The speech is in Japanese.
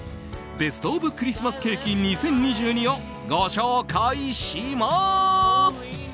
ベスト・オブ・クリスマスケーキ２０２２をご紹介します！